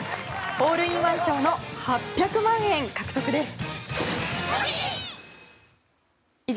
ホールインワン賞の８００万円獲得です。